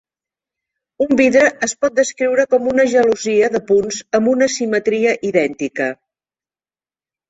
Un vidre es pot descriure com una gelosia de punts amb una simetria idèntica.